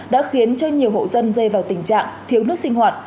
đã khiến cho nhiều hộ dân rơi vào tình trạng thiếu nước sinh hoạt